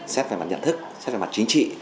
xét về mặt nhận thức xét về mặt chính trị